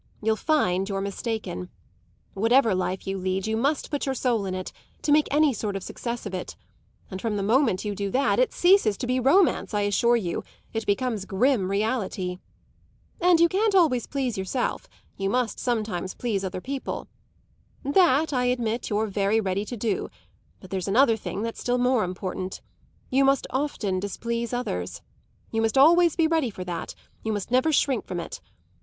You'll find you're mistaken. Whatever life you lead you must put your soul in it to make any sort of success of it; and from the moment you do that it ceases to be romance, I assure you: it becomes grim reality! And you can't always please yourself; you must sometimes please other people. That, I admit, you're very ready to do; but there's another thing that's still more important you must often displease others. You must always be ready for that you must never shrink from it.